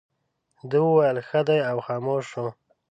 ده وویل ښه دی او خاموش شو.